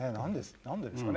何でですかね。